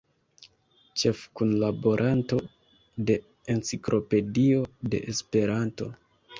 Ĉefkunlaboranto de Enciklopedio de Esperanto.